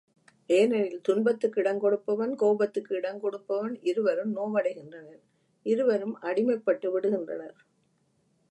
ஏனெனில் துன்பத்துக்கு இடங்கொடுப்பவன், கோபத்துக்கு இடங்கொடுப்பவன் இருவரும் நோவடைகின்றனர், இருவரும் அடிமைப்பட்டுவிடுகின்றனர்.